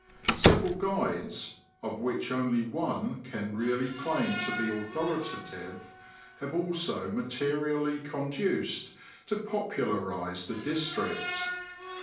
Several guides, of which only one can really claim to be authoritative, have also materially conduced to popularise the district.